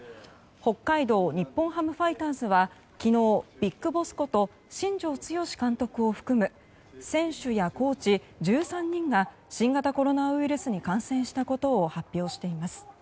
北海道日本ハムファイターズは昨日、ＢＩＧＢＯＳＳこと新庄剛志監督を含む選手やコーチ１３人が新型コロナウイルスに感染したことを発表しています。